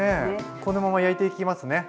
このまま焼いていきますね。